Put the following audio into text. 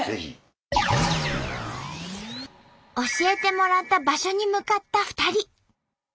教えてもらった場所に向かった２人。